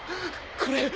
これ。